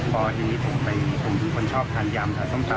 พอทีนี้ผมเป็นคนชอบทานยำใส่ส้มตำ